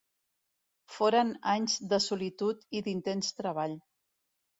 Foren anys de solitud i d'intens treball.